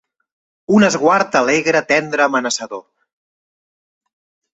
Un esguard alegre, tendre, amenaçador.